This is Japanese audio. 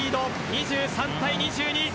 ２３対２２。